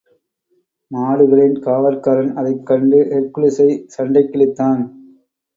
மாடுகளின் காவற்காரன் அதைக் கண்டு ஹெர்க்குலிஸைச் சண்டைக்கிழுத்தான்.